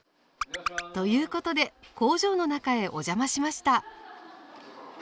ということで工場の中へお邪魔しました。